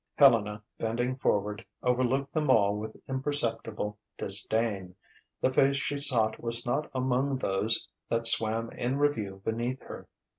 Helena, bending forward, overlooked them all with imperceptible disdain. The face she sought was not among those that swam in review beneath her.